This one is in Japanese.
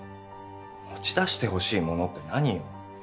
持ち出してほしいものって何よ？